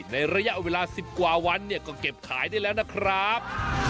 ในระยะเวลา๑๐กว่าวันเนี่ยก็เก็บขายได้แล้วนะครับ